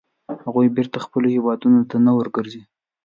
هغوی بېرته خپلو هیوادونو ته نه ورګرځي.